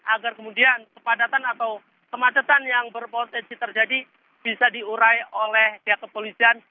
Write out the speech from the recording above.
agar kemudian kepadatan atau kemacetan yang berpotensi terjadi bisa diurai oleh pihak kepolisian